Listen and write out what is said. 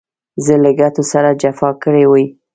زه له ګټو سره جفا کړې وي.